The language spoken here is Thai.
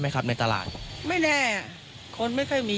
มีคนไปมามาเยอะนะครับ